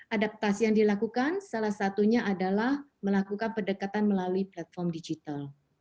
adaptasi yang dilakukan salah satunya adalah melakukan pendekatan melalui platform digital